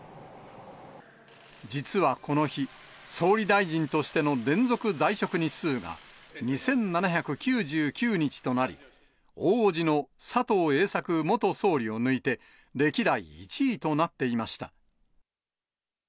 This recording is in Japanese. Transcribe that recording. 実はこの日、総理大臣としての連続在職日数が２７９９日となり、往時の佐藤栄作元総理を抜いて歴代１位となっていました。